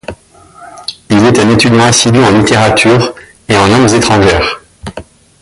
Il est un étudiant assidu en littérature et en langues étrangères.